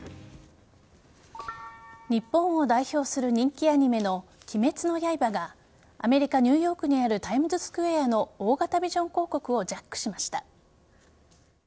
日本を代表する人気アニメの「鬼滅の刃」がアメリカ・ニューヨークにあるタイムズスクエアの大型ビジョン広告をジャックしました。